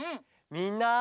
みんな！